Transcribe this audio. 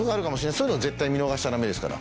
そういうの絶対見逃しちゃダメですから。